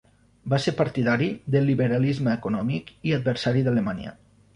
Va ser partidari del liberalisme econòmic i adversari d'Alemanya.